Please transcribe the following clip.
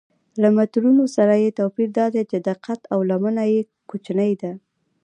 له مترونو سره یې توپیر دا دی چې دقت او لمنه یې کوچنۍ ده.